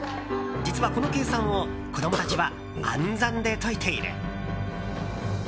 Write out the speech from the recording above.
実は、この計算を子供たちは暗算で解いている。